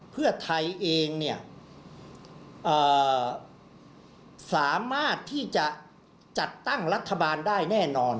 เพื่อไทยเองเนี่ยสามารถที่จะจัดตั้งรัฐบาลได้แน่นอน